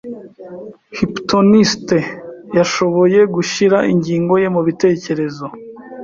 Hypnotiste yashoboye gushyira ingingo ye mubitekerezo.